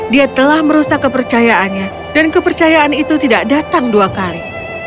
dia telah merusak kepercayaannya dan kepercayaan itu tidak datang dua kali